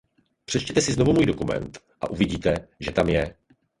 Přečtěte si znovu můj dokument a uvidíte, že tam je.